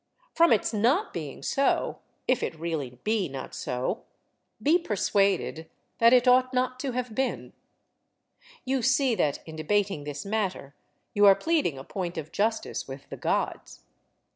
From its not being so, if it really be not so, be persuaded that it ought not to have been. You see that, in debating this matter, you are pleading a point of justice with the Gods.